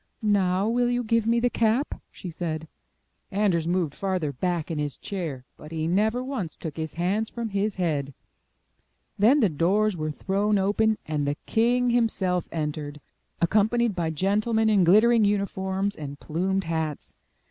"Now will you give me the cap?*' she said. Anders moved farther back in his chair, but he never once took his hands from his head. i6 UP ONE PAIR OF STAIRS Then the doors were thrown open and the king himself entered, accompanied by gentlemen in glit tering uniforms and plumed hats.